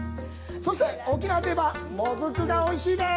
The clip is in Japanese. そして、沖縄といえばもずくがおいしいです。